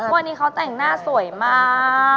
วันนี้เขาแต่งหน้าสวยมาก